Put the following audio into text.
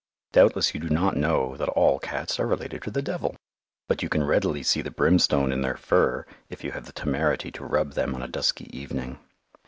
Doubtless you do not know that all cats are related to the devil, but you can readily see the brimstone in their fur if you have the temerity to rub them on a dusky evening.